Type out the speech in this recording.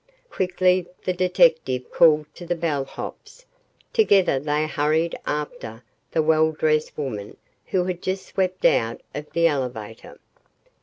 Quickly the detective called to the bell hops. Together they hurried after the well dressed woman who had just swept out of the elevator.